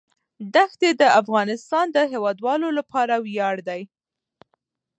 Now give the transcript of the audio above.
دښتې د افغانستان د هیوادوالو لپاره ویاړ دی.